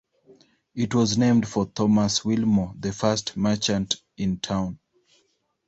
It was named for Thomas Wilmore, the first merchant in town.